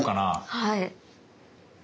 はい。